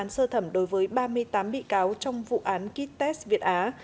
có ba mươi tám bị cáo trong vụ án kites việt á